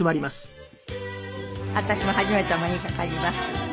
私も初めてお目にかかります。